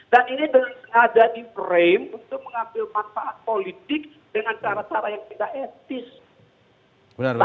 dan ini dengan sengaja di frame untuk mengambil manfaat politik dengan cara cara yang tidak etis